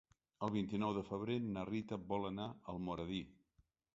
El vint-i-nou de febrer na Rita vol anar a Almoradí.